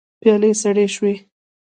پيالې سړې شوې.